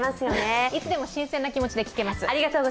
いつでも新鮮な気持ちで聞けます。